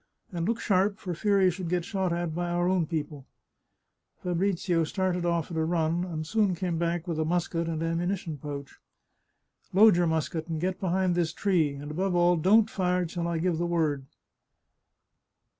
And look sharp, for fear you should get shot at by our own people !" Fabrizio started off at a run, and soon came back with a musket and ammunition pouch. " Load your musket, and get behind this tree ; and above all, don't fire till I give the word."